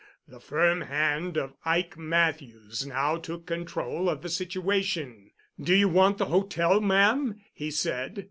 The firm hand of Ike Matthews now took control of the situation. "Do you want the hotel, ma'am?" he said.